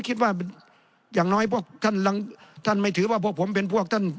คิดว่าอย่างน้อยพวกท่านท่านไม่ถือว่าพวกผมเป็นพวกท่าน